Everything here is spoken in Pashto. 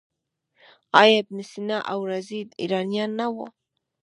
آیا ابن سینا او رازي ایرانیان نه وو؟